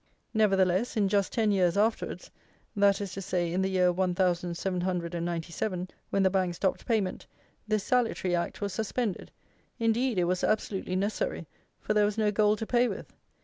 Nevertheless, in just ten years afterwards; that is to say, in the year one thousand seven hundred and ninety seven, when the Bank stopped payment, this salutary Act was suspended; indeed, it was absolutely necessary, for there was no gold to pay with.